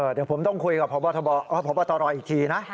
เดี๋ยวผมต้องคุยกับพบตรอีกทีนะ